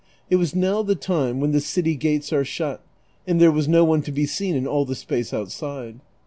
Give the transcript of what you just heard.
It was now the time when the city gates are shut, and there was no one to be seen in all the space outside.